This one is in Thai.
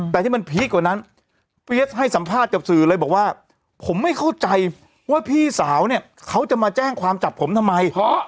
แต่ที่มันพีคกว่านั้นเฟียสให้สัมภาษณ์กับสื่อเลยบอกว่าผมไม่เข้าใจว่าพี่สาวเนี่ยเขาจะมาแจ้งความจับผมทำไม